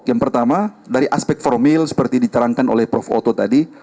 yang pertama dari aspek formil seperti diterangkan oleh prof oto tadi